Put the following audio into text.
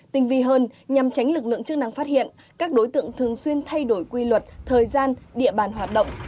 tinh vi hơn nhằm tránh lực lượng chức năng phát hiện các đối tượng thường xuyên thay đổi quy luật thời gian địa bàn hoạt động